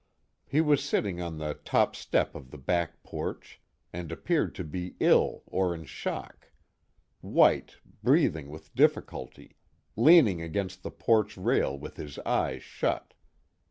He was sitting on the top step of the back porch, and appeared to be ill or in shock: white, breathing with difficulty, leaning against the porch rail with his eyes shut.